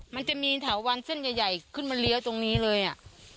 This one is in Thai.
มันจะมีเถาวันเส้นใหญ่ขึ้นมาเลี้ยวตรงนี้เลยอ่ะ